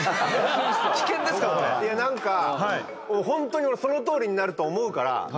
ホントに俺そのとおりになると思うから。